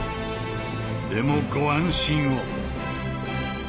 でもご安心を。